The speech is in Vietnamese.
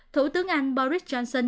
thủ tướng anh boris johnson